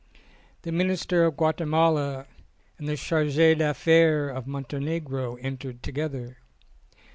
The Minister of Guatemala and the Charge d' Af faires of Montenegro entered together.